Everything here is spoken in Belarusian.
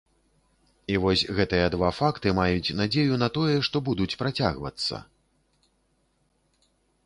І вось гэтыя два факты маюць надзею на тое, што будуць працягвацца.